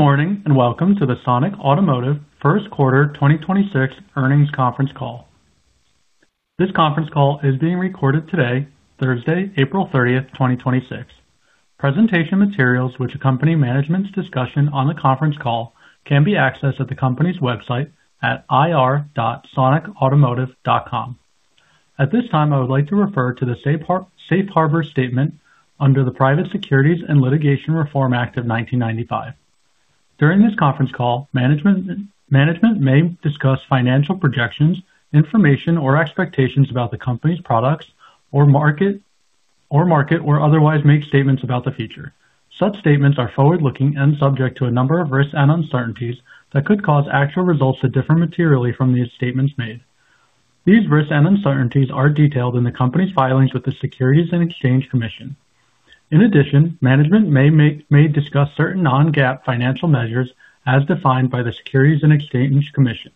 Good morning, welcome to the Sonic Automotive first quarter 2026 earnings conference call. This conference call is being recorded today, Thursday, April 30th, 2026. Presentation materials which accompany management's discussion on the conference call can be accessed at the company's website at ir.sonicautomotive.com. At this time, I would like to refer to the safe harbor statement under the Private Securities Litigation Reform Act of 1995. During this conference call, management may discuss financial projections, information, or expectations about the company's products or market, or market or otherwise make statements about the future. Such statements are forward-looking and subject to a number of risks and uncertainties that could cause actual results to differ materially from these statements made. These risks and uncertainties are detailed in the company's filings with the Securities and Exchange Commission. In addition, management may discuss certain non-GAAP financial measures as defined by the Securities and Exchange Commission.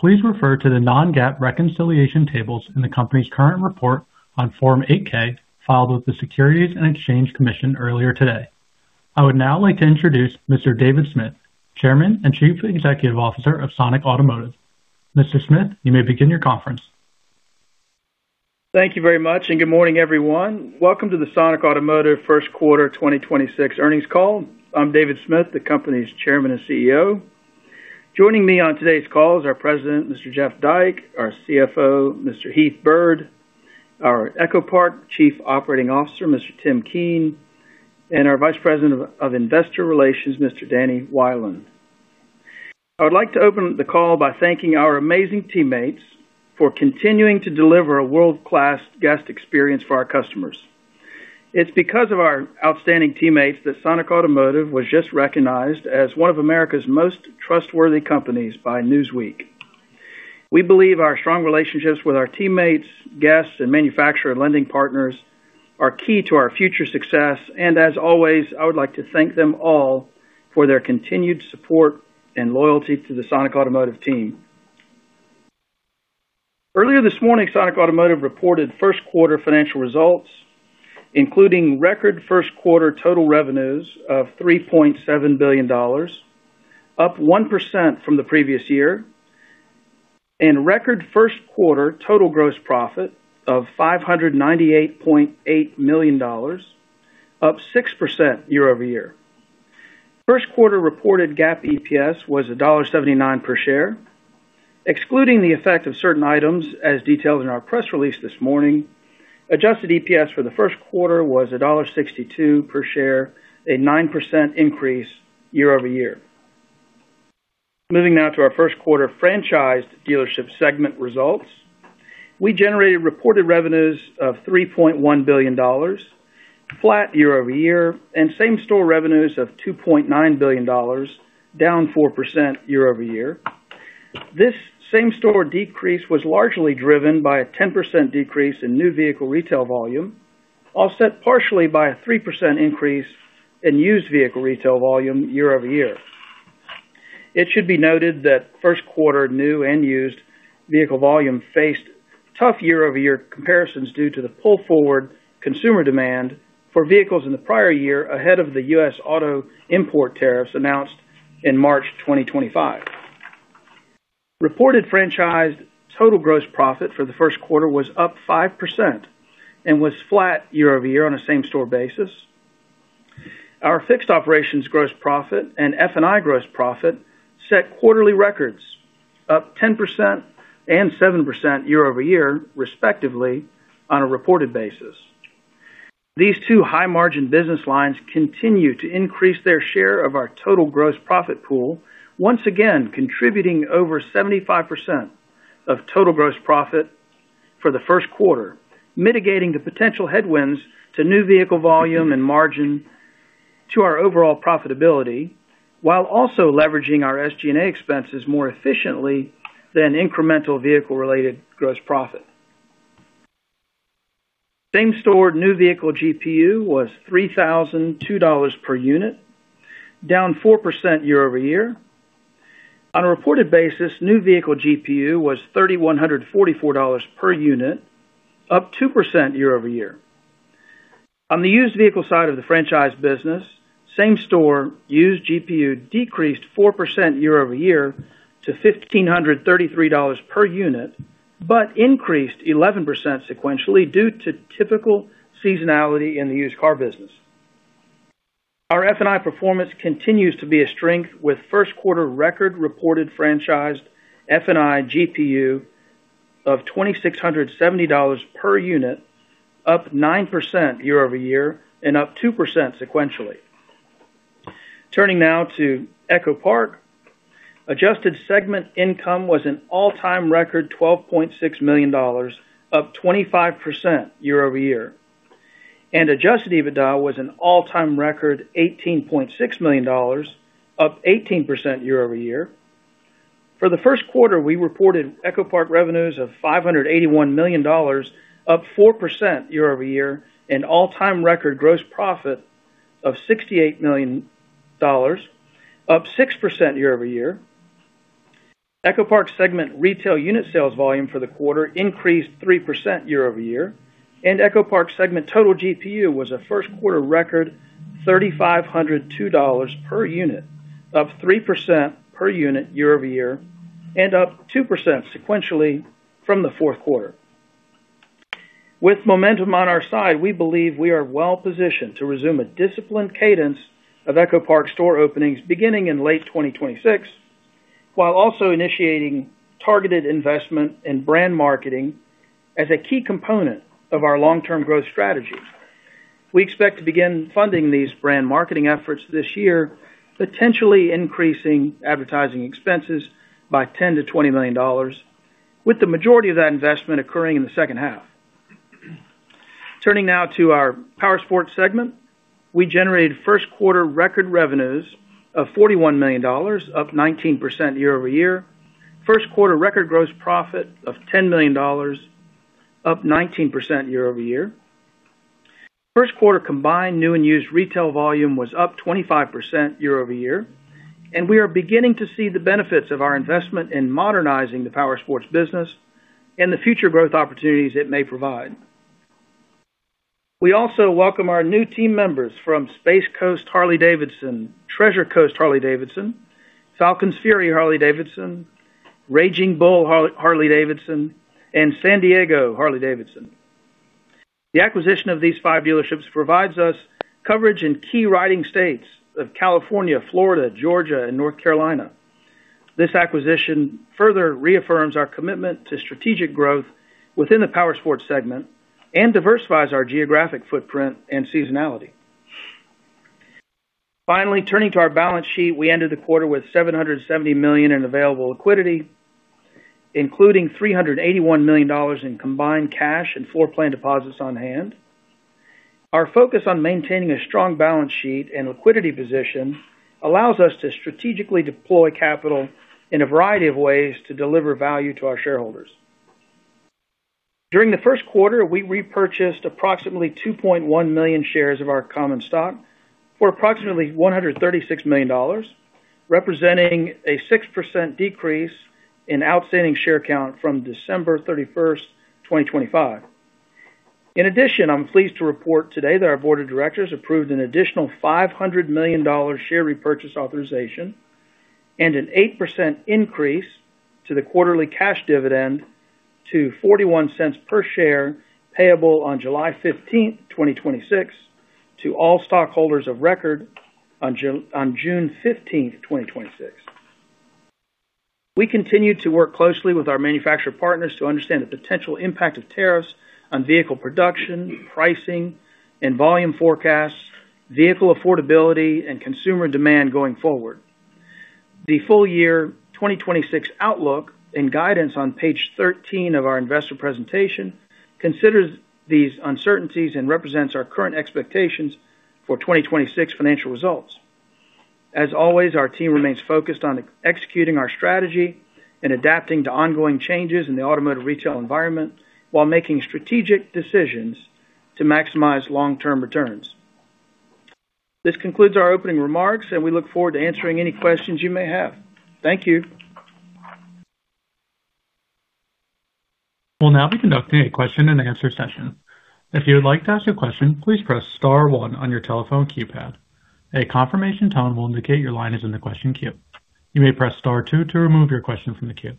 Please refer to the non-GAAP reconciliation tables in the company's current report on Form 8-K filed with the Securities and Exchange Commission earlier today. I would now like to introduce Mr. David Smith, Chairman and Chief Executive Officer of Sonic Automotive. Mr. Smith, you may begin your conference. Thank you very much, and good morning, everyone. Welcome to the Sonic Automotive first quarter 2026 earnings call. I'm David Smith, the company's Chairman and CEO. Joining me on today's call is our President, Mr. Jeff Dyke, our CFO, Mr. Heath Byrd, our EchoPark Chief Operating Officer, Mr. Tim Keen, and our Vice President of Investor Relations, Mr. Danny Wieland. I would like to open the call by thanking our amazing teammates for continuing to deliver a world-class guest experience for our customers. It's because of our outstanding teammates that Sonic Automotive was just recognized as one of America's most trustworthy companies by Newsweek. We believe our strong relationships with our teammates, guests, and manufacturer lending partners are key to our future success. As always, I would like to thank them all for their continued support and loyalty to the Sonic Automotive team. Earlier this morning, Sonic Automotive reported first quarter financial results, including record first quarter total revenues of $3.7 billion, up 1% from the previous year, and record first quarter total gross profit of $598.8 million, up 6% year-over-year. First quarter reported GAAP EPS was $1.79 per share. Excluding the effect of certain items, as detailed in our press release this morning, adjusted EPS for the first quarter was $1.62 per share, a 9% increase year-over-year. Moving now to our first quarter franchised dealership segment results. We generated reported revenues of $3.1 billion, flat year-over-year, and same-store revenues of $2.9 billion, down 4% year-over-year. This same-store decrease was largely driven by a 10% decrease in new vehicle retail volume, offset partially by a 3% increase in used vehicle retail volume year-over-year. It should be noted that first quarter new and used vehicle volume faced tough year-over-year comparisons due to the pull-forward consumer demand for vehicles in the prior year ahead of the U.S. auto import tariffs announced in March 2025. Reported franchised total gross profit for the first quarter was up 5% and was flat year-over-year on a same-store basis. Our fixed operations gross profit and F&I gross profit set quarterly records, up 10% and 7% year-over-year, respectively, on a reported basis. These two high-margin business lines continue to increase their share of our total gross profit pool, once again contributing over 75% of total gross profit for the first quarter, mitigating the potential headwinds to new vehicle volume and margin to our overall profitability, while also leveraging our SG&A expenses more efficiently than incremental vehicle-related gross profit. Same-store new vehicle GPU was $3,002 per unit, down 4% year-over-year. On a reported basis, new vehicle GPU was $3,144 per unit, up 2% year-over-year. On the used vehicle side of the franchise business, same-store used GPU decreased 4% year-over-year to $1,533 per unit, but increased 11% sequentially due to typical seasonality in the used car business. Our F&I performance continues to be a strength with first quarter record reported franchised F&I GPU of $2,670 per unit, up 9% year-over-year and up 2% sequentially. Turning now to EchoPark. Adjusted segment income was an all-time record $12.6 million, up 25% year-over-year, and adjusted EBITDA was an all-time record $18.6 million, up 18% year-over-year. For the first quarter, we reported EchoPark revenues of $581 million, up 4% year-over-year and all-time record gross profit of $68 million, up 6% year-over-year. EchoPark segment retail unit sales volume for the quarter increased 3% year-over-year, and EchoPark segment total GPU was a first quarter record $3,502 per unit, up 3% per unit year-over-year and up 2% sequentially from the fourth quarter. With momentum on our side, we believe we are well positioned to resume a disciplined cadence of EchoPark store openings beginning in late 2026, while also initiating targeted investment in brand marketing as a key component of our long-term growth strategy. We expect to begin funding these brand marketing efforts this year, potentially increasing advertising expenses by $10 million-$20 million, with the majority of that investment occurring in the second half. Turning now to our Powersports segment. We generated first quarter record revenues of $41 million, up 19% year-over-year. First quarter record gross profit of $10 million, up 19% year-over-year. First quarter combined new and used retail volume was up 25% year-over-year, we are beginning to see the benefits of our investment in modernizing the Powersports business and the future growth opportunities it may provide. We also welcome our new team members from Space Coast Harley-Davidson, Treasure Coast Harley-Davidson, Falcon's Fury Harley-Davidson, Raging Bull Harley-Davidson, and. The acquisition of these five dealerships provides us coverage in key riding states of California, Florida, Georgia, and North Carolina. This acquisition further reaffirms our commitment to strategic growth within the Powersports segment and diversifies our geographic footprint and seasonality. Finally, turning to our balance sheet, we ended the quarter with $770 million in available liquidity, including $381 million in combined cash and floor plan deposits on hand. Our focus on maintaining a strong balance sheet and liquidity position allows us to strategically deploy capital in a variety of ways to deliver value to our shareholders. During the first quarter, we repurchased approximately 2.1 million shares of our common stock for approximately $136 million, representing a 6% decrease in outstanding share count from December 31, 2025. In addition, I'm pleased to report today that our Board of Directors approved an additional $500 million share repurchase authorization and an 8% increase to the quarterly cash dividend to $0.41 per share payable on July 15, 2026 to all stockholders of record on June 15, 2026. We continue to work closely with our manufacturer partners to understand the potential impact of tariffs on vehicle production, pricing and volume forecasts, vehicle affordability, and consumer demand going forward. The full year 2026 outlook and guidance on page 13 of our investor presentation considers these uncertainties and represents our current expectations for 2026 financial results. As always, our team remains focused on executing our strategy and adapting to ongoing changes in the automotive retail environment while making strategic decisions to maximize long-term returns. This concludes our opening remarks, and we look forward to answering any questions you may have. Thank you. We'll now be conducting a question-and-answer session. If you would like to ask a question, please press star one on your telephone keypad. A confirmation tone will indicate your line is in the question queue. You may press star two to remove your question from the queue.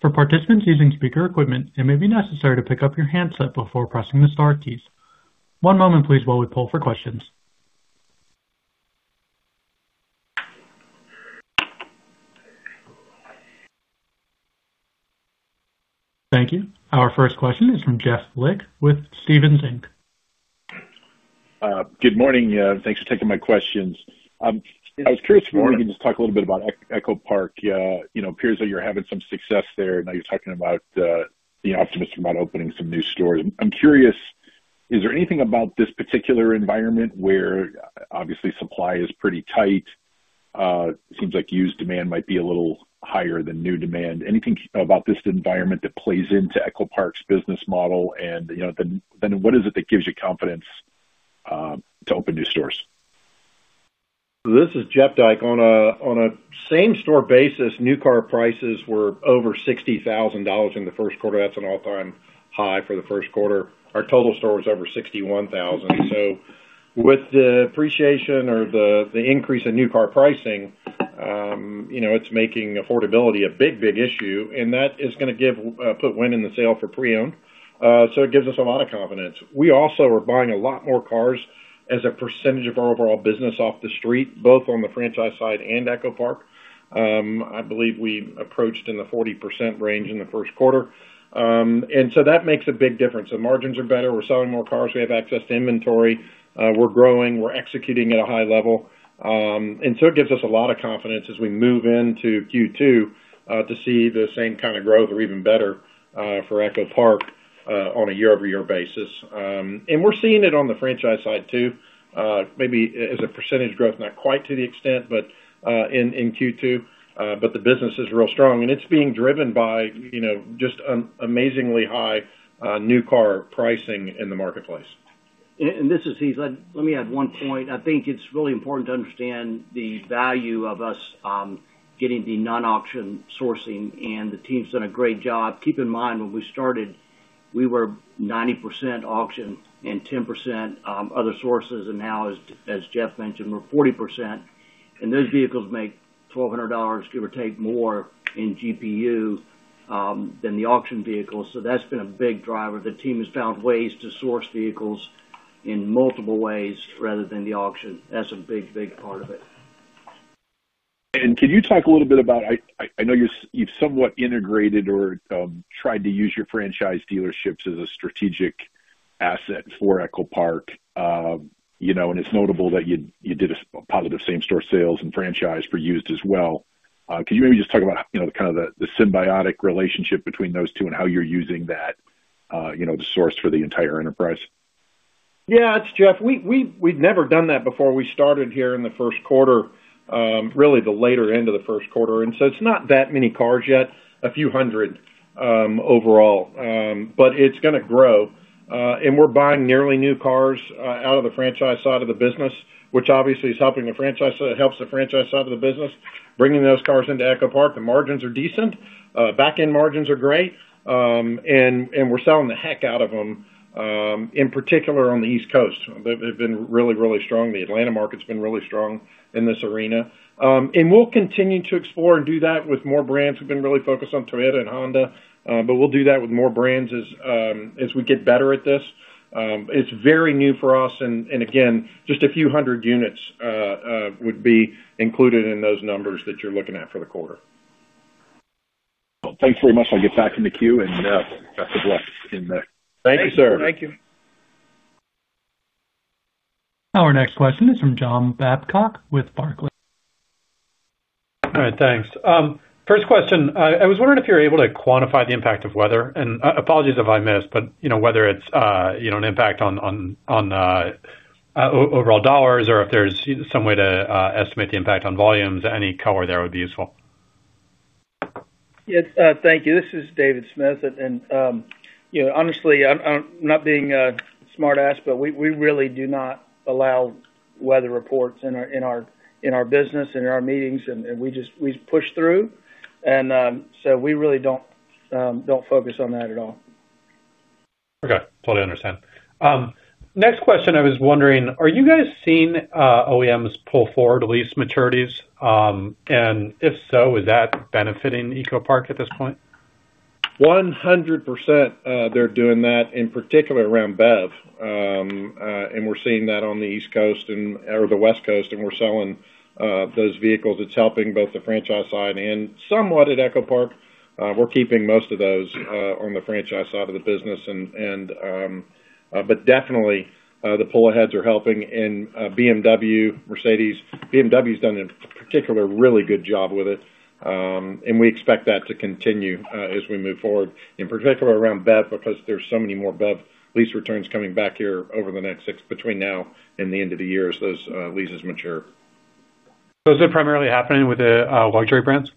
For participants using speaker equipment, it may be necessary to pick up your handset before pressing the star keys. One moment please while we poll for questions. Thank you. Our first question is from Jeff Lick with Stephens Inc. Good morning. Thanks for taking my questions. I was curious if you could just talk a little bit about EchoPark. You know, appears that you're having some success there. Now you're talking about being optimistic about opening some new stores. I'm curious, is there anything about this particular environment where obviously supply is pretty tight? Seems like used demand might be a little higher than new demand. Anything about this environment that plays into EchoPark's business model? You know, then what is it that gives you confidence to open new stores? This is Jeff Dyke. On a same-store basis, new car prices were over $60,000 in the first quarter. That's an all-time high for the first quarter. Our total store was over $61,000. With the appreciation or the increase in new car pricing, you know, it's making affordability a big, big issue, and that is gonna put wind in the sail for pre-owned. It gives us a lot of confidence. We also are buying a lot more cars as a percentage of our overall business off the street, both on the franchise side and EchoPark. I believe we approached in the 40% range in the first quarter. That makes a big difference. The margins are better. We're selling more cars. We have access to inventory. We're growing. We're executing at a high level. It gives us a lot of confidence as we move into Q2 to see the same kinda growth or even better for EchoPark on a year-over-year basis. We're seeing it on the franchise side too. Maybe as a percentage growth, not quite to the extent, but in Q2, but the business is real strong and it's being driven by, you know, just amazingly high new car pricing in the marketplace. This is Heath. Let me add one point. I think it's really important to understand the value of us getting the non-auction sourcing. The team's done a great job. Keep in mind, when we started, we were 90% auction and 10% other sources. Now, as Jeff mentioned, we're 40%, and those vehicles make $1,200, give or take, more in GPU than the auction vehicles. That's been a big driver. The team has found ways to source vehicles in multiple ways rather than the auction. That's a big part of it. Can you talk a little bit about? I know you're, you've somewhat integrated or tried to use your franchise dealerships as a strategic asset for EchoPark. You know, it's notable that you did a positive same store sales and franchise for used as well. Can you maybe just talk about, you know, kind of the symbiotic relationship between those two and how you're using that, you know, the source for the entire enterprise? Yeah, it's Jeff. We've never done that before. We started here in the first quarter, really the latter end of the first quarter. It's not that many cars yet, a few 100, overall. It's gonna grow. We're buying nearly new cars out of the franchise side of the business, which obviously is helping the franchise. It helps the franchise side of the business, bringing those cars into EchoPark. The margins are decent. Backend margins are great. We're selling the heck out of them, in particular, on the East Coast. They've been really, really strong. The Atlanta market's been really strong in this arena. We'll continue to explore and do that with more brands. We've been really focused on Toyota and Honda, but we'll do that with more brands as we get better at this. It's very new for us and again, just a few hundred units would be included in those numbers that you're looking at for the quarter. Well, thanks very much. I'll get back in the queue, and best of luck in the- Thank you, sir. Thank you. Our next question is from John Babcock with Barclays. All right. Thanks. First question, I was wondering if you're able to quantify the impact of weather. Apologies if I missed, but, you know, whether it's, you know, an impact on overall dollars or if there's some way to estimate the impact on volumes, any color there would be useful? Yes. Thank you. This is David Smith. You know, honestly, I'm not being a smart ass, but we really do not allow weather reports in our business and in our meetings, and we just push through. We really don't focus on that at all. Okay. Totally understand. Next question, I was wondering, are you guys seeing OEMs pull forward lease maturities? If so, is that benefiting EchoPark at this point? 100%, they're doing that, in particular around BEV. We're seeing that on the East Coast and or the West Coast, and we're selling those vehicles. It's helping both the franchise side and somewhat at EchoPark. We're keeping most of those on the franchise side of the business. Definitely, the pull-aheads are helping in BMW, Mercedes. BMW's done a particular really good job with it. We expect that to continue as we move forward, in particular around BEV, because there's so many more BEV lease returns coming back here over the next six, between now and the end of the year, as those leases mature. Is it primarily happening with the luxury brands?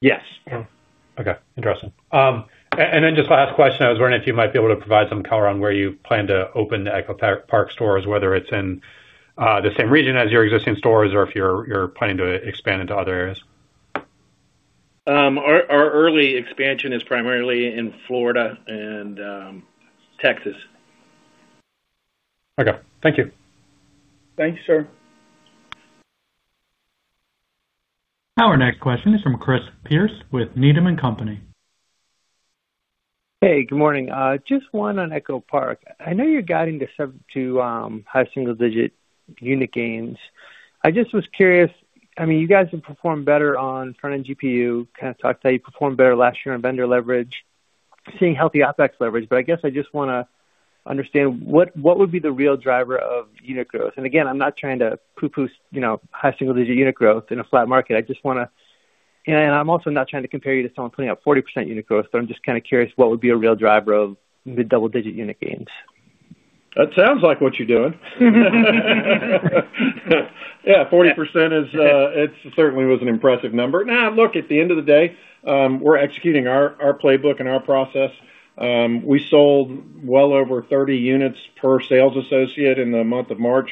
Yes. Okay. Interesting. Then just last question, I was wondering if you might be able to provide some color on where you plan to open the EchoPark stores, whether it's in the same region as your existing stores or if you're planning to expand into other areas. Our early expansion is primarily in Florida and Texas. Okay. Thank you. Thanks, sir. Our next question is from Chris Pierce with Needham & Company. Hey, good morning. Just one on EchoPark. I know you're guiding to high single-digit unit gains. I just was curious, I mean, you guys have performed better on front-end GPU, kind of talked how you performed better last year on vendor leverage, seeing healthy OpEx leverage. I guess I just wanna understand, what would be the real driver of unit growth? Again, I'm not trying to poo-poo, you know, high single-digit unit growth in a flat market. I just wanna. I'm also not trying to compare you to someone putting up 40% unit growth, but I'm just kind of curious what would be a real driver of the double-digit unit gains. That sounds like what you're doing. Yeah, 40% is, it certainly was an impressive number. Nah, look, at the end of the day, we're executing our playbook and our process. We sold well over 30 units per sales associate in the month of March,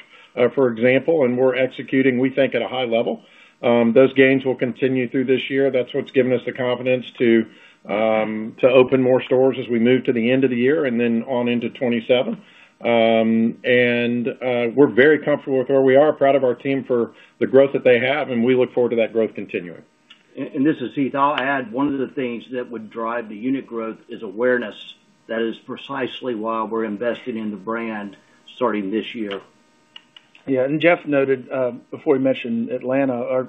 for example, and we're executing, we think, at a high level. Those gains will continue through this year. That's what's given us the confidence to open more stores as we move to the end of the year and then on into 2027. We're very comfortable with where we are, proud of our team for the growth that they have, and we look forward to that growth continuing. This is Heath. I'll add one of the things that would drive the unit growth is awareness. That is precisely why we're investing in the brand starting this year. Yeah. Jeff noted, before you mentioned Atlanta,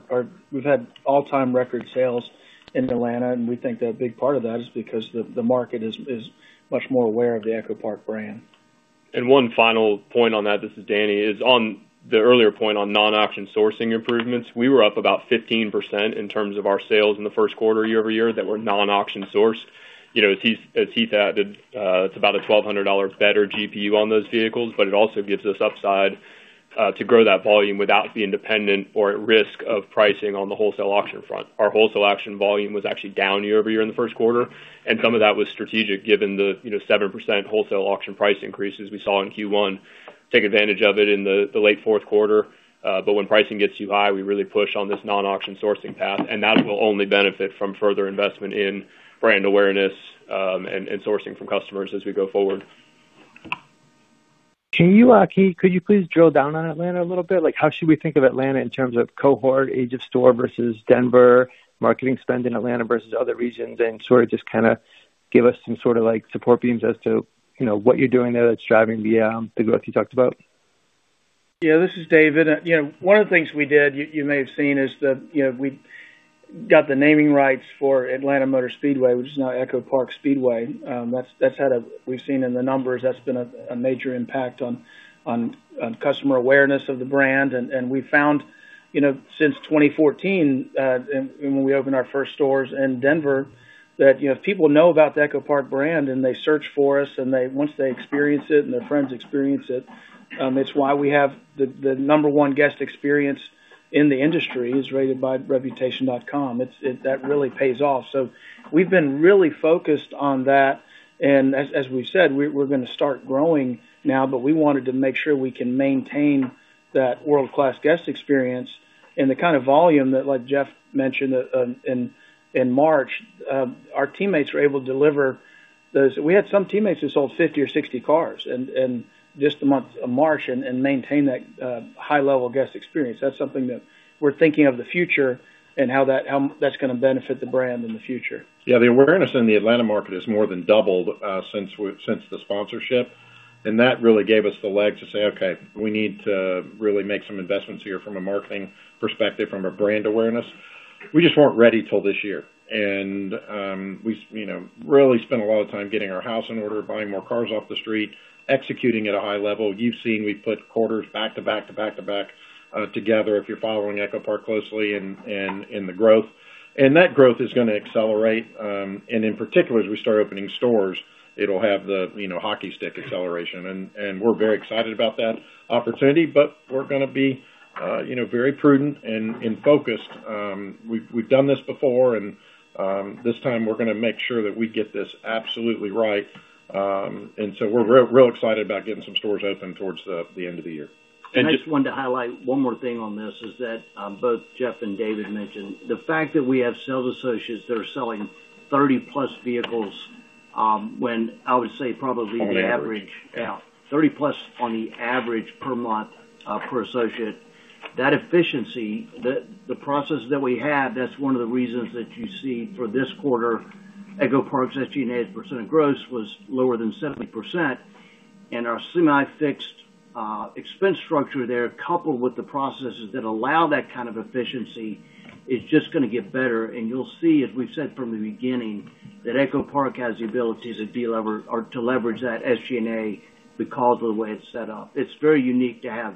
we've had all-time record sales in Atlanta, and we think that a big part of that is because the market is much more aware of the EchoPark brand. One final point on that, this is Danny. Is on the earlier point on non-auction sourcing improvements, we were up about 15% in terms of our sales in the first quarter year-over-year that were non-auction source. You know, as Heath added, it's about a $1,200 better GPU on those vehicles, but it also gives us upside. To grow that volume without the independent or at risk of pricing on the wholesale auction front. Our wholesale auction volume was actually down year-over-year in the first quarter, and some of that was strategic given the, you know, 7% wholesale auction price increases we saw in Q1. Take advantage of it in the late fourth quarter. When pricing gets too high, we really push on this non-auction sourcing path, and that will only benefit from further investment in brand awareness, and sourcing from customers as we go forward. Could you please drill down on Atlanta a little bit? Like, how should we think of Atlanta in terms of cohort, age of store versus Denver, marketing spend in Atlanta versus other regions, and sort of just kind of give us some sort of like support beams as to, you know, what you're doing there that's driving the growth you talked about. Yeah, this is David. One of the things we did, you may have seen, is that we got the naming rights for Atlanta Motor Speedway, which is now EchoPark Speedway. That's had a we've seen in the numbers, that's been a major impact on customer awareness of the brand. We found, you know, since 2014, and when we opened our first stores in Denver, that, you know, people know about the EchoPark brand, and they search for us, and they once they experience it and their friends experience it's why we have the number one guest experience in the industry, as rated by reputation.com. That really pays off. We've been really focused on that. As we said, we're gonna start growing now, but we wanted to make sure we can maintain that world-class guest experience. The kind of volume that, like Jeff mentioned, in March, our teammates were able to deliver those. We had some teammates that sold 50 or 60 cars in just the month of March and maintain that high-level guest experience. That's something that we're thinking of the future and how that's gonna benefit the brand in the future. The awareness in the Atlanta market has more than doubled since the sponsorship. That really gave us the leg to say, okay, we need to really make some investments here from a marketing perspective, from a brand awareness. We just weren't ready till this year. We, you know, really spent a lot of time getting our house in order, buying more cars off the street, executing at a high level. You've seen we've put quarters back to back-to-back-to-back together if you're following EchoPark closely in the growth. That growth is gonna accelerate. In particular, as we start opening stores, it'll have the, you know, hockey stick acceleration. We're very excited about that opportunity, but we're gonna be, you know, very prudent and focused. We've done this before and, this time we're gonna make sure that we get this absolutely right. We're real excited about getting some stores open towards the end of the year. I just wanted to highlight one more thing on this, is that, both Jeff and David mentioned, the fact that we have sales associates that are selling 30-plus vehicles, when I would say probably the on average. Yeah, 30+ on the average per month per associate. That efficiency, the process that we have, that's one of the reasons that you see for this quarter, EchoPark's SG&A as a percent of gross was lower than 70%. Our semi-fixed expense structure there, coupled with the processes that allow that kind of efficiency, is just gonna get better. You'll see, as we've said from the beginning, that EchoPark has the ability to delever or to leverage that SG&A because of the way it's set up. It's very unique to have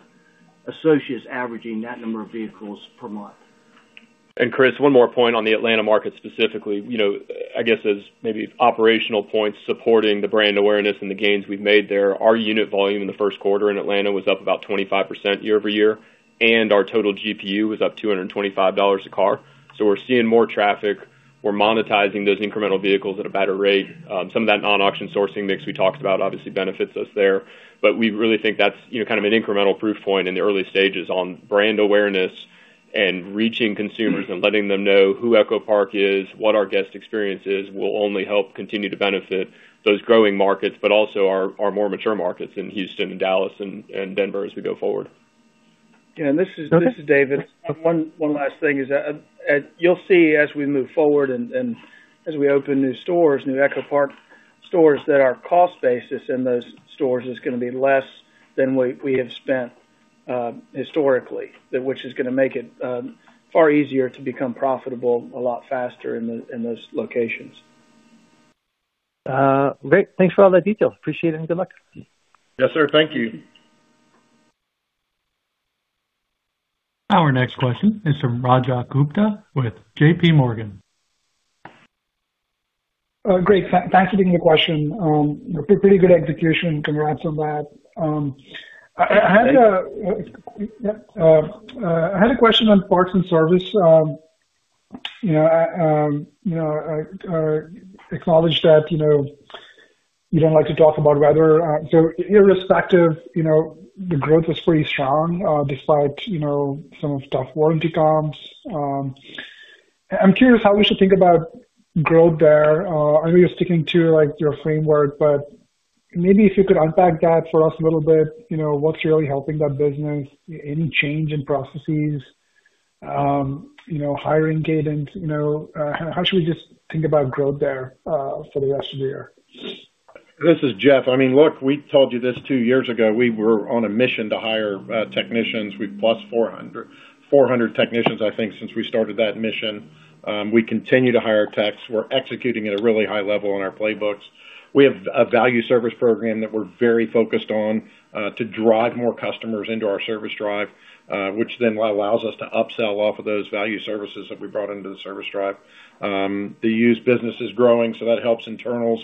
associates averaging that number of vehicles per month. Chris, one more point on the Atlanta market specifically. You know, I guess as maybe operational points supporting the brand awareness and the gains we've made there, our unit volume in the first quarter in Atlanta was up about 25% year-over-year, and our total GPU was up $225 a car. We're seeing more traffic. We're monetizing those incremental vehicles at a better rate. Some of that non-auction sourcing mix we talked about obviously benefits us there. We really think that's, you know, kind of an incremental proof point in the early stages on brand awareness and reaching consumers and letting them know who EchoPark is, what our guest experience is, will only help continue to benefit those growing markets, also our more mature markets in Houston and Dallas and Denver as we go forward. Yeah, this is David. One last thing is, you'll see as we move forward and as we open new stores, new EchoPark stores, that our cost basis in those stores is gonna be less than we have spent historically. Which is gonna make it far easier to become profitable a lot faster in those locations. Great. Thanks for all that detail. Appreciate it, and good luck. Yes, sir. Thank you. Our next question is from Rajat Gupta with JPMorgan. Great. Thanks for taking the question. Pretty good execution. Congrats on that. I had a. Thanks. Yep. I had a question on parts and service. You know, acknowledge that, you know, you don't like to talk about weather. So irrespective, you know, the growth was pretty strong, despite, you know, some of tough warranty comps. I'm curious how we should think about growth there. I know you're sticking to, like, your framework, but maybe if you could unpack that for us a little bit. You know, what's really helping that business? Any change in processes? You know, hiring cadence? You know, how should we just think about growth there for the rest of the year? This is Jeff. I mean, look, we told you this two years ago. We were on a mission to hire technicians. We've plus 400 technicians, I think, since we started that mission. We continue to hire techs. We're executing at a really high level on our playbooks. We have a value service program that we're very focused on to drive more customers into our service drive. Which allows us to upsell off of those value services that we brought into the service drive. The used business is growing, that helps internals.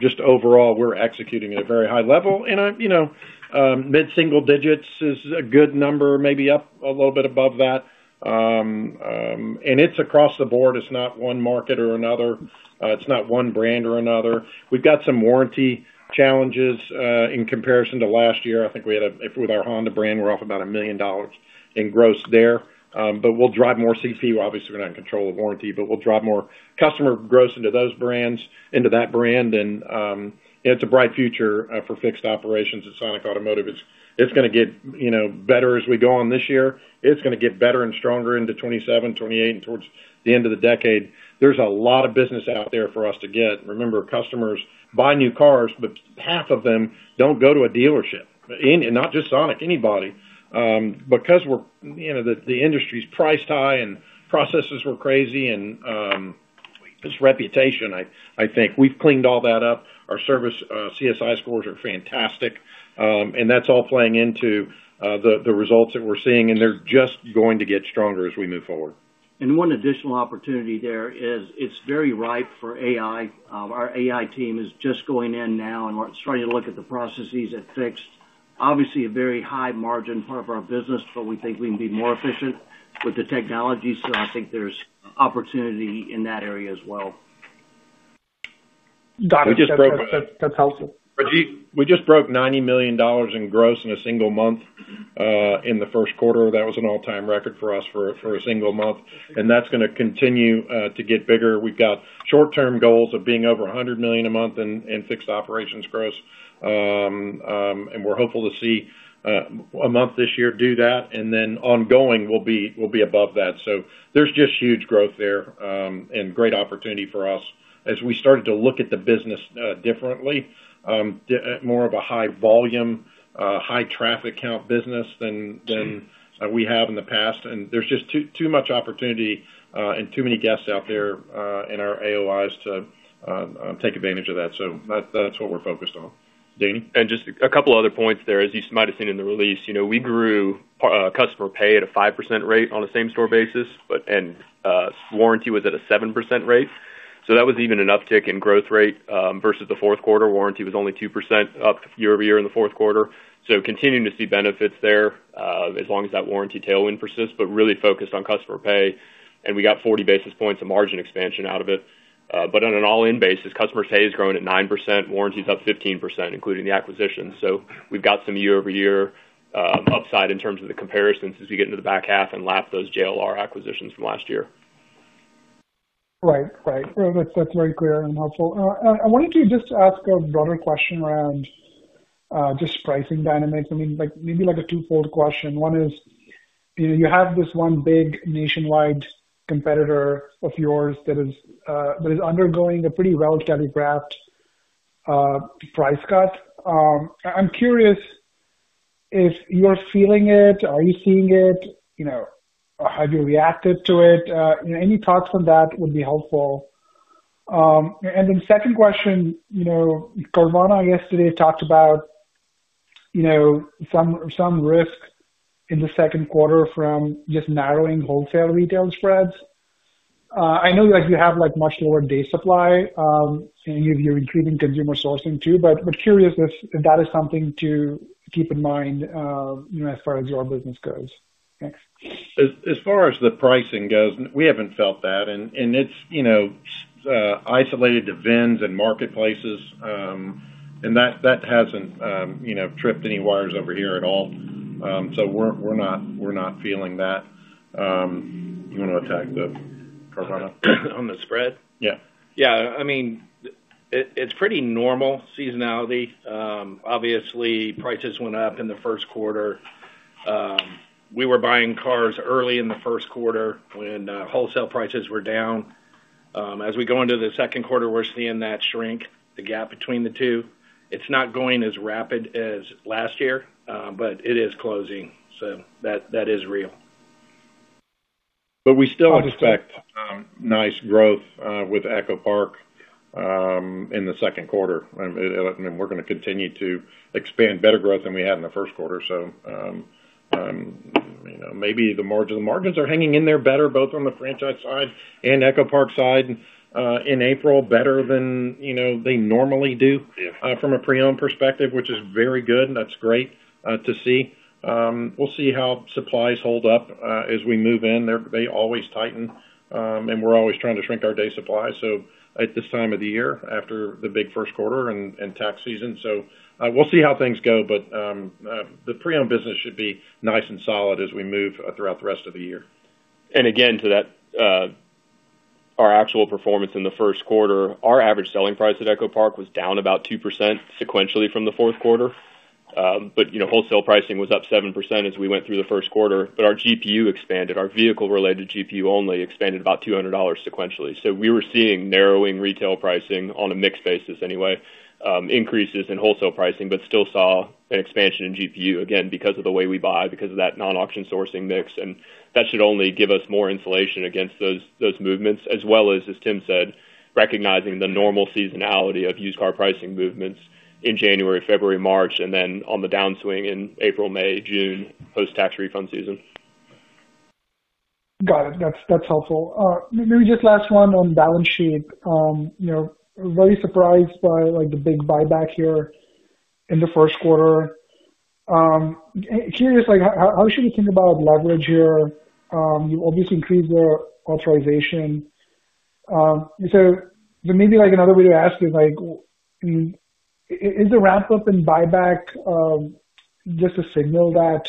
Just overall, we're executing at a very high level. You know, mid-single digits is a good number, maybe up a little bit above that. It's across the board. It's not one market or another. It's not one brand or another. We've got some warranty challenges in comparison to last year. I think we had with our Honda brand, we're off about $1 million in gross there. We'll drive more CPU. Obviously, we're not in control of warranty, we'll drive more customer gross into those brands, into that brand. It's a bright future for fixed operations at Sonic Automotive. It's gonna get, you know, better as we go on this year. It's gonna get better and stronger into 2027, 2028, and towards the end of the decade. There's a lot of business out there for us to get. Remember, customers buy new cars, but half of them don't go to a dealership. Not just Sonic, anybody. Because we're, you know, the industry's priced high and processes were crazy and, just reputation, I think. We've cleaned all that up. Our service, CSI scores are fantastic. That's all playing into the results that we're seeing, and they're just going to get stronger as we move forward. One additional opportunity there is it's very ripe for AI. Our AI team is just going in now and we're starting to look at the processes at fixed. Obviously, a very high margin part of our business, but we think we can be more efficient with the technology. I think there's opportunity in that area as well. Got it, that's helpful. Rajat, we just broke $90 million in gross in a single month, in the first quarter. That was an all-time record for us for a single month, and that's gonna continue to get bigger. We've got short-term goals of being over $100 million a month in fixed operations gross. We're hopeful to see a month this year do that, and then ongoing we'll be above that. There's just huge growth there, and great opportunity for us as we started to look at the business differently, more of a high volume, high traffic count business than we have in the past. There's just too much opportunity, and too many guests out there, in our AOIs to take advantage of that. That's what we're focused on. Danny? Just a couple other points there. As you might have seen in the release, you know, we grew customer pay at a 5% rate on a same store basis, warranty was at a 7% rate. That was even an uptick in growth rate versus the fourth quarter. Warranty was only 2% up year-over-year in the fourth quarter. Continuing to see benefits there as long as that warranty tailwind persists, really focused on customer pay. We got 40 basis points of margin expansion out of it. On an all-in basis, customer pay has grown at 9%, warranty is up 15%, including the acquisition. We've got some year-over-year upside in terms of the comparisons as we get into the back half and lap those JLR acquisitions from last year. Right. Right. Well, that's very clear and helpful. I wanted to just ask a broader question around just pricing dynamics. I mean, like, maybe like a two-fold question. One is, you know, you have this one big nationwide competitor of yours that is undergoing a pretty well-telegraphed price cut. I'm curious if you're feeling it. Are you seeing it? You know, have you reacted to it? Any thoughts on that would be helpful. Second question, you know, Carvana yesterday talked about, you know, some risk in the second quarter from just narrowing wholesale retail spreads. I know, like, you have, like, much lower day supply, and you're increasing consumer sourcing too, but I'm curious if that is something to keep in mind, you know, as far as your business goes. Thanks. As far as the pricing goes, we haven't felt that. It's, you know, isolated to VINs and marketplaces, and that hasn't, you know, tripped any wires over here at all. We're not feeling that. You wanna attack the Carvana? On the spread? Yeah. Yeah. I mean, it's pretty normal seasonality. Obviously, prices went up in the first quarter. We were buying cars early in the first quarter when wholesale prices were down. As we go into the second quarter, we're seeing that shrink, the gap between the two. It's not going as rapid as last year, but it is closing. That is real. We still expect nice growth with EchoPark in the second quarter. I mean, we're gonna continue to expand better growth than we had in the first quarter. You know, maybe the margins are hanging in there better, both on the franchise side and EchoPark side, in April better than, you know, they normally do. Yeah from a pre-owned perspective, which is very good, and that's great to see. We'll see how supplies hold up as we move in. They always tighten, and we're always trying to shrink our day supply, so at this time of the year after the big first quarter and tax season. We'll see how things go, but the pre-owned business should be nice and solid as we move throughout the rest of the year. Again, to that, our actual performance in the first quarter, our average selling price at EchoPark was down about 2% sequentially from the fourth quarter. You know, wholesale pricing was up 7% as we went through the first quarter. Our GPU expanded, our vehicle-related GPU only expanded about $200 sequentially. We were seeing narrowing retail pricing on a mixed basis anyway, increases in wholesale pricing, but still saw an expansion in GPU, again, because of the way we buy, because of that non-auction sourcing mix. That should only give us more insulation against those movements, as well as Tim said, recognizing the normal seasonality of used car pricing movements in January, February, March, and then on the downswing in April, May, June, post-tax refund season. Got it. That's, that's helpful. Maybe just last one on balance sheet. You know, very surprised by like the big buyback here in the first quarter. Curious like how should we think about leverage here? You obviously increased your authorization. So maybe like another way to ask is like, is the ramp up in buyback just a signal that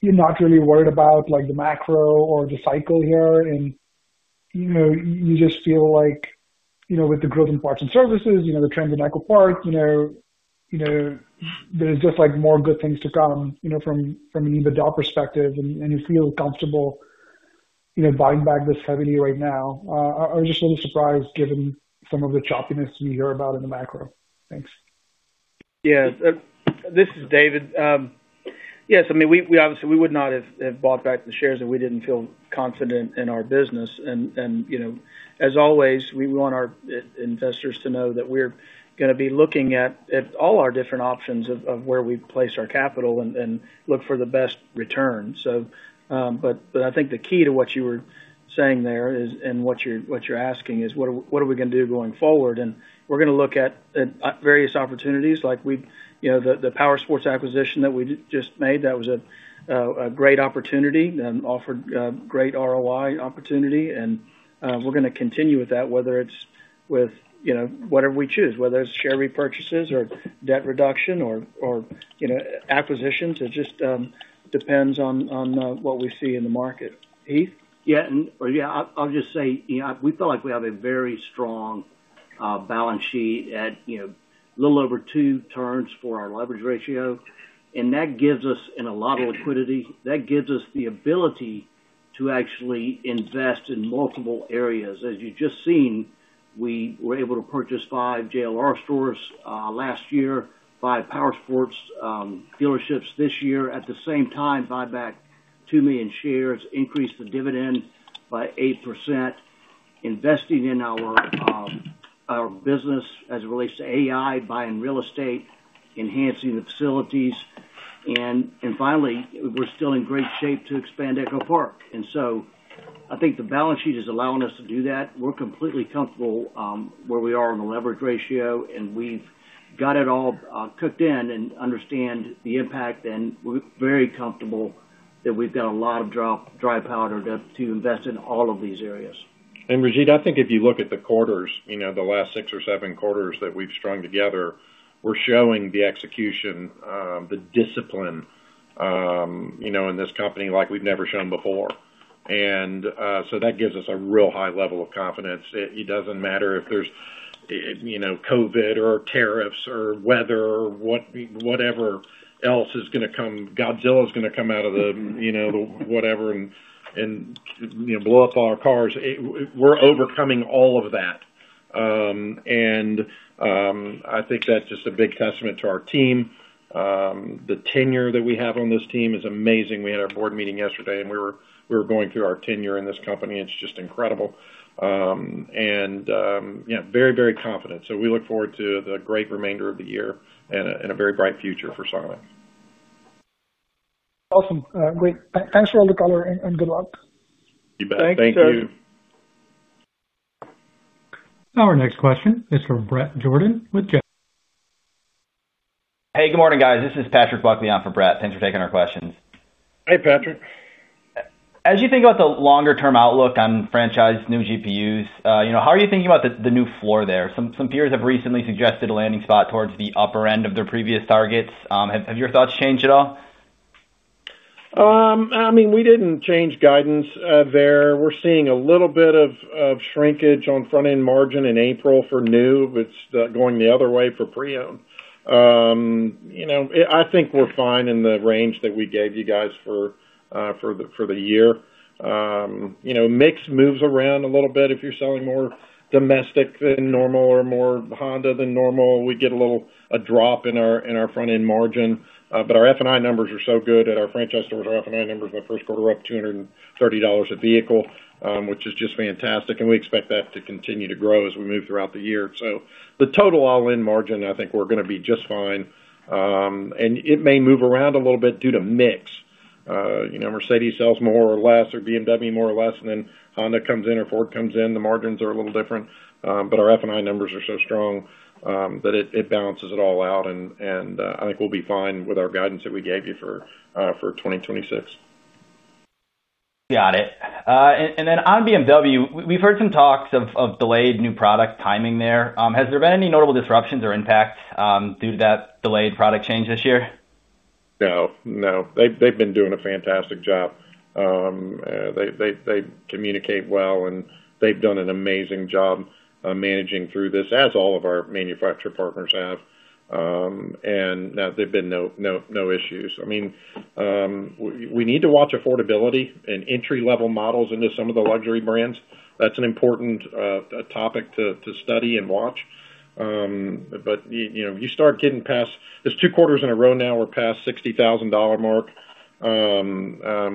you're not really worried about like the macro or the cycle here and, you know, you just feel like, you know, with the growth in parts and services, you know, the trend in EchoPark, you know, there's just like more good things to come, you know, from an EBITDA perspective and you feel comfortable, you know, buying back this revenue right now. I was just a little surprised given some of the choppiness we hear about in the macro. Thanks. Yeah. This is David. Yes, I mean, we obviously we would not have bought back the shares if we didn't feel confident in our business. You know, as always, we want our investors to know that we're gonna be looking at all our different options of where we place our capital and look for the best return. I think the key to what you were saying there is, and what you're, what you're asking is what are we gonna do going forward? We're gonna look at various opportunities like we, you know, the Powersports acquisition that we just made, that was a great opportunity and offered great ROI opportunity. We're gonna continue with that, whether it's with, you know, whatever we choose, whether it's share repurchases or debt reduction or, you know, acquisitions. It just depends on what we see in the market. Heath? Yeah. I'll just say, you know, we feel like we have a very strong balance sheet at, you know, a little over two turns for our leverage ratio, and a lot of liquidity. That gives us the ability to actually invest in multiple areas. As you've just seen, we were able to purchase five JLR stores last year, five Powersports dealerships this year. At the same time, buy back 2 million shares, increase the dividend by 8%, investing in our business as it relates to AI, buying real estate, enhancing the facilities. Finally, we're still in great shape to expand EchoPark. I think the balance sheet is allowing us to do that. We're completely comfortable, where we are on the leverage ratio, and we've got it all cooked in and understand the impact, and we're very comfortable that we've got a lot of dry powder to invest in all of these areas. Rajat, I think if you look at the quarters, you know, the last six or seven quarters that we've strung together, we're showing the execution, the discipline, you know, in this company like we've never shown before. That gives us a real high level of confidence. It doesn't matter if there's, you know, COVID or tariffs or weather or whatever else is going to come. Godzilla is going to come out of the, you know, whatever and, you know, blow up all our cars. We are overcoming all of that. I think that is just a big testament to our team. The tenure that we have on this team is amazing. We had our board meeting yesterday, and we were going through our tenure in this company. It is just incredible. Very confident. We look forward to the great remainder of the year and a very bright future for Sonic. Awesome. Great. Thanks for all the color and good luck. You bet. Thank you. Thank you. Our next question is from Bret Jordan with Jefferies. Hey, good morning, guys. This is Patrick Buckley for Bret. Thanks for taking our questions. Hey, Patrick. As you think about the longer term outlook on franchise new GPUs, you know, how are you thinking about the new floor there? Some peers have recently suggested a landing spot towards the upper end of their previous targets. Have your thoughts changed at all? I mean, we didn't change guidance there. We're seeing a little bit of shrinkage on front-end margin in April for new. It's going the other way for pre-owned. You know, I think we're fine in the range that we gave you guys for the year. You know, mix moves around a little bit if you're selling more domestic than normal or more Honda than normal. We get a little drop in our front-end margin. Our F&I numbers are so good at our franchise stores. Our F&I numbers in the first quarter were up $230 a vehicle, which is just fantastic, and we expect that to continue to grow as we move throughout the year. The total all-in margin, I think we're gonna be just fine. It may move around a little bit due to mix. You know, Mercedes sells more or less, or BMW more or less, Honda comes in or Ford comes in, the margins are a little different. Our F&I numbers are so strong that it balances it all out and I think we'll be fine with our guidance that we gave you for 2026. Got it. On BMW, we've heard some talks of delayed new product timing there. Has there been any notable disruptions or impact due to that delayed product change this year? No. They've been doing a fantastic job. They communicate well, and they've done an amazing job managing through this as all of our manufacturer partners have. There've been no issues. I mean, we need to watch affordability and entry-level models into some of the luxury brands. That's an important topic to study and watch. You know. There's two quarters in a row now we're past the $60,000 mark.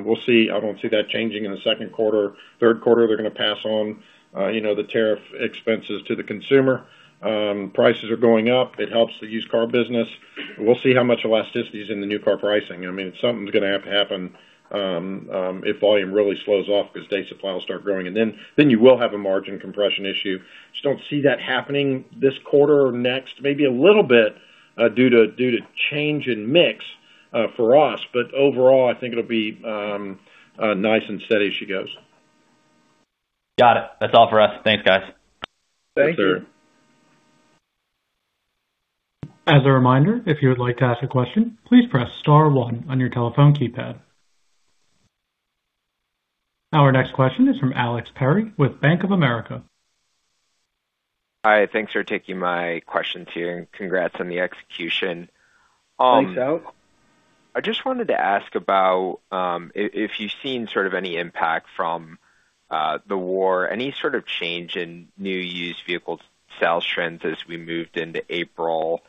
We'll see. I don't see that changing in the second quarter. Third quarter, they're gonna pass on, you know, the tariff expenses to the consumer. Prices are going up. It helps the used car business. We'll see how much elasticity is in the new car pricing. I mean, something's gonna have to happen if volume really slows off because day supply will start growing. Then you will have a margin compression issue. Just don't see that happening this quarter or next. Maybe a little bit due to change in mix for us. Overall, I think it'll be nice and steady as she goes. Got it. That's all for us. Thanks, guys. Thanks. Yes, sir. As a reminder, if you would like to ask a question, please press star one on your telephone keypad. Our next question is from Alex Perry with Bank of America. Hi, thanks for taking my question too. Congrats on the execution. Please hold. I just wanted to ask about, if you've seen sort of any impact from the war, any sort of change in new used vehicle sales trends as we moved into April.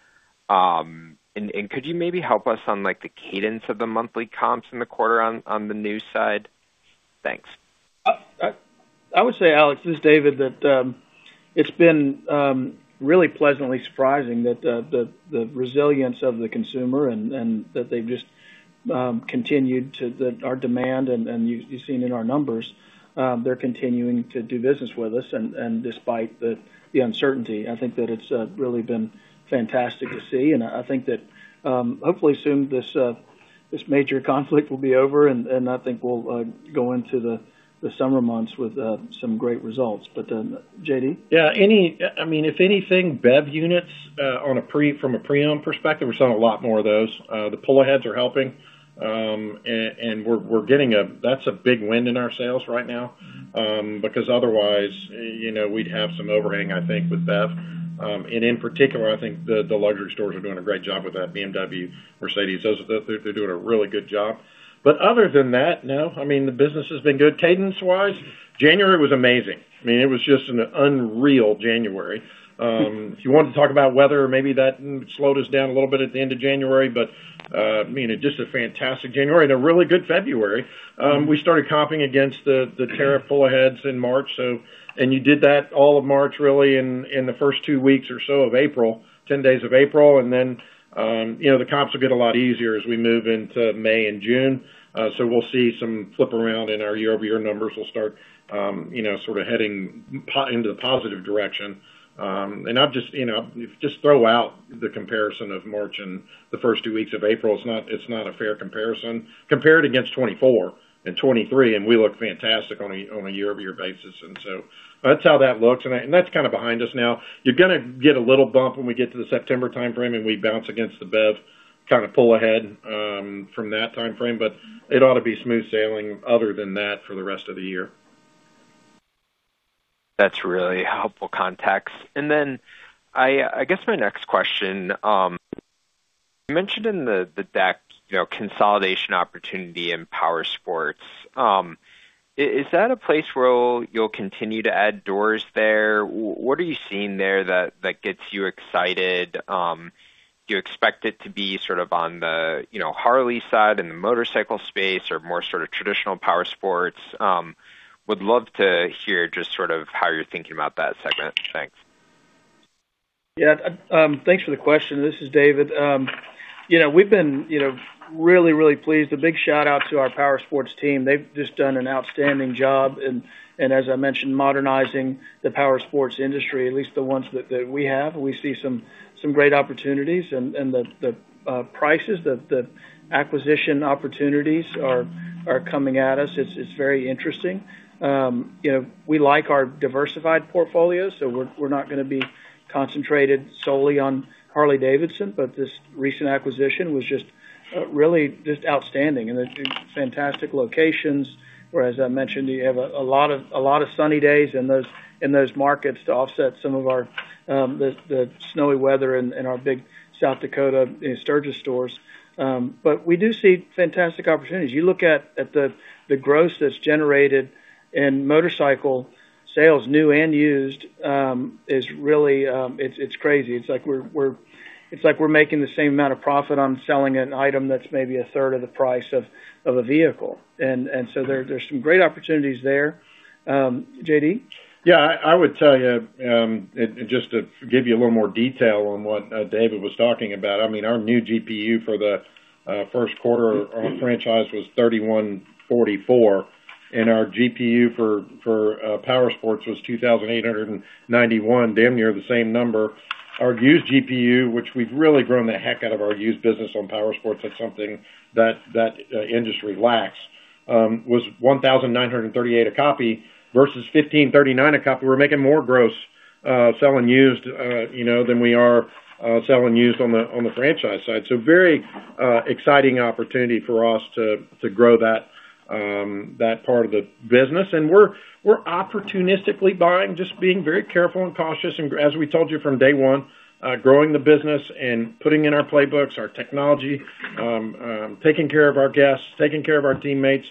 Could you maybe help us on, like, the cadence of the monthly comps in the quarter on the new side? Thanks. I would say, Alex, this is David, that it's been really pleasantly surprising that the resilience of the consumer and that they've just continued our demand, and you've seen in our numbers, they're continuing to do business with us. Despite the uncertainty, I think that it's really been fantastic to see. I think that hopefully soon this major conflict will be over, and I think we'll go into the summer months with some great results. JD? Yeah. I mean, if anything, BEV units, from a pre-owned perspective, we're selling a lot more of those. The pull-aheads are helping. That's a big win in our sales right now. Otherwise, you know, we'd have some overhang, I think, with BEV. In particular, I think the luxury stores are doing a great job with that BMW, Mercedes-Benz. They're doing a really good job. Other than that, no, I mean, the business has been good. Cadence-wise, January was amazing. I mean, it was just an unreal January. If you want to talk about weather, maybe that slowed us down a little bit at the end of January. I mean, just a fantastic January and a really good February. We started comping against the tariff pullaheads in March. You did that all of March, really, in the first two weeks or so of April, 10 days of April. You know, the comps will get a lot easier as we move into May and June. We'll see some flip around in our year-over-year numbers. We'll start, you know, sort of heading into the positive direction. I've just, you know, just throw out the comparison of March and the first two weeks of April. It's not, it's not a fair comparison. Compare it against 2024 and 2023, we look fantastic on a year-over-year basis. That's how that looks, that's kind of behind us now. You're gonna get a little bump when we get to the September timeframe, and we bounce against the BEV kind of pull ahead, from that timeframe. It ought to be smooth sailing other than that for the rest of the year. That's really helpful context. I guess my next question, you mentioned in the deck, you know, consolidation opportunity in powersports. Is that a place where you'll continue to add doors there? What are you seeing there that gets you excited? Do you expect it to be sort of on the, you know, Harley side and the motorcycle space or more sort of traditional powersports? Would love to hear just sort of how you're thinking about that segment. Thanks. Yeah. Thanks for the question. This is David. You know, we've been, you know, really, really pleased. A big shout-out to our Powersports team. They've just done an outstanding job in, as I mentioned, modernizing the Powersports industry, at least the ones that we have. We see some great opportunities and the prices, the acquisition opportunities are coming at us. It's very interesting. You know, we like our diversified portfolio, so we're not gonna be concentrated solely on Harley-Davidson. This recent acquisition was just really just outstanding. There's fantastic locations, where, as I mentioned, you have a lot of sunny days in those markets to offset some of our snowy weather in our big South Dakota Sturgis stores. We do see fantastic opportunities. You look at the gross that's generated in motorcycle sales, new and used, is really. It's crazy. It's like we're making the same amount of profit on selling an item that's maybe a third of the price of a vehicle. So there's some great opportunities there. JD? Yeah. I would tell you, and just to give you a little more detail on what David Smith was talking about. I mean, our new GPU for the first quarter on franchise was $3,144, and our GPU for Powersports was $2,891, damn near the same number. Our used GPU, which we've really grown the heck out of our used business on Powersports, that's something that industry lacks, was $1,938 a copy versus $1,539 a copy. We're making more gross selling used, you know, than we are selling used on the franchise side. Very exciting opportunity for us to grow that part of the business. We're opportunistically buying, just being very careful and cautious. As we told you from day one, growing the business and putting in our playbooks, our technology, taking care of our guests, taking care of our teammates.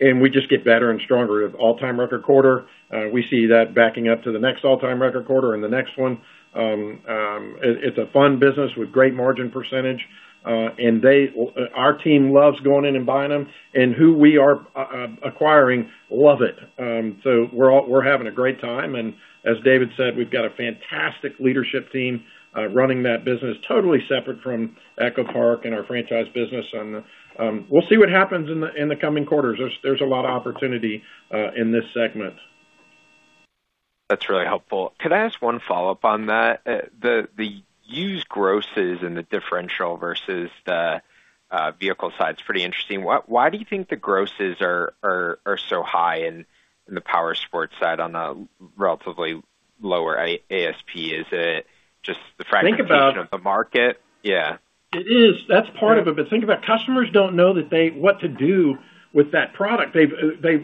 We just get better and stronger. We have all-time record quarter. We see that backing up to the next all-time record quarter and the next one. It's a fun business with great margin percentage. Our team loves going in and buying them, and who we are acquiring love it. We're having a great time. As David Smith said, we've got a fantastic leadership team running that business, totally separate from EchoPark and our franchise business. We'll see what happens in the coming quarters. There's a lot of opportunity in this segment. That's really helpful. Could I ask one follow-up on that? The used grosses and the differential versus the vehicle side's pretty interesting. Why do you think the grosses are so high in the Powersports side on a relatively lower ASP? Is it just the fragmentation? Think about- of the market? Yeah. It is. That's part of it. Think about it, customers don't know what to do with that product. They've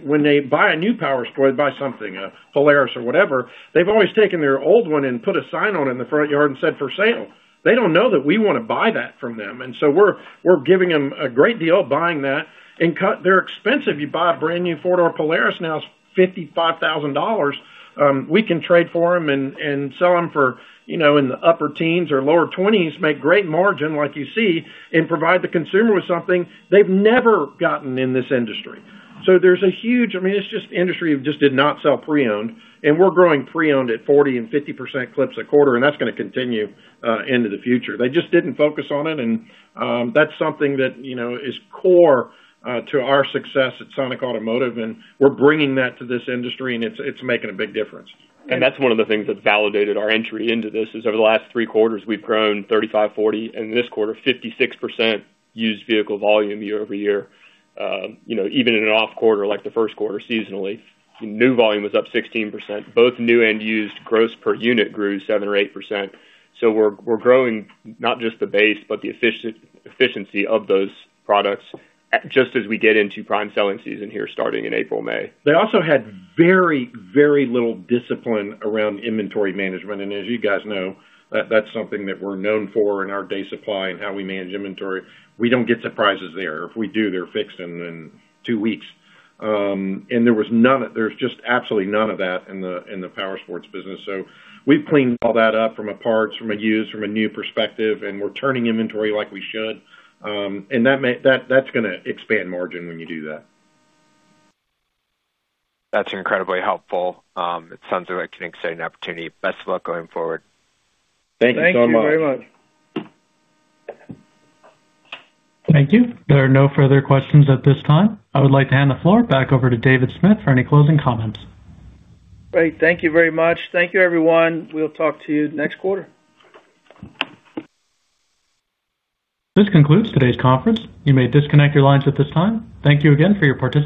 when they buy a new powersport, they buy something, a Polaris or whatever, they've always taken their old one and put a sign on in the front yard and said, "For sale." They don't know that we want to buy that from them. We're giving them a great deal buying that. They're expensive. You buy a brand-new 4-door Polaris now, it's $55,000. We can trade for them and sell them for, you know, in the upper teens or lower twenties, make great margin, like you see, and provide the consumer with something they've never gotten in this industry. There's a huge. I mean, it's just the industry just did not sell pre-owned, and we're growing pre-owned at 40 and 50% clips a quarter, and that's gonna continue into the future. They just didn't focus on it. That's something that, you know, is core to our success at Sonic Automotive, and we're bringing that to this industry, and it's making a big difference. That's one of the things that validated our entry into this, is over the last three quarters, we've grown 35, 40, and this quarter, 56% used vehicle volume year-over-year. You know, even in an off quarter like the first quarter seasonally, new volume was up 16%, both new and used gross per unit grew 7% or 8%. We're growing not just the base, but the efficiency of those products, just as we get into prime selling season here starting in April, May. They also had very, very little discipline around inventory management. As you guys know, that's something that we're known for in our day supply and how we manage inventory. We don't get surprises there. If we do, they're fixed in two weeks. There's just absolutely none of that in the Powersports business. We've cleaned all that up from a parts, from a used, from a new perspective, and we're turning inventory like we should. That, that's gonna expand margin when you do that. That's incredibly helpful. It sounds like an exciting opportunity. Best of luck going forward. Thank you so much. Thank you very much. Thank you. There are no further questions at this time. I would like to hand the floor back over to David Smith for any closing comments. Great. Thank you very much. Thank you, everyone. We'll talk to you next quarter. This concludes today's conference. You may disconnect your lines at this time. Thank you again for your participation.